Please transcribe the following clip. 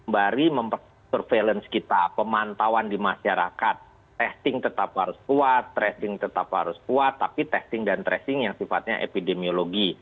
mari mempervalence kita pemantauan di masyarakat testing tetap harus kuat tracing tetap harus kuat tapi testing dan tracing yang sifatnya epidemiologi